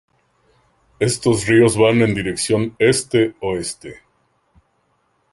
Estos ríos van en dirección este-oeste.